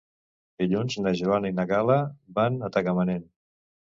Dilluns na Joana i na Gal·la van a Tagamanent.